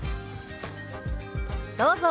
どうぞ。